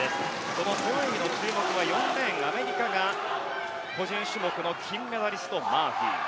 この背泳ぎの注目は４レーンアメリカが個人種目の金メダリストマーフィー。